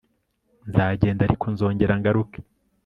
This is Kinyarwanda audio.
nzagenda ariko nzongera ngaruke